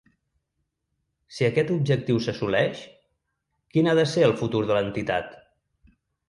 Si aquest objectiu s’assoleix, quin ha de ser el futur de l’entitat?